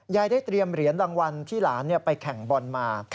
ได้เตรียมเหรียญรางวัลที่หลานไปแข่งบอลมา